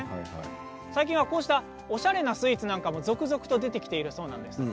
最近はこうしたおしゃれなスイーツなんかも続々と出てきているそうです。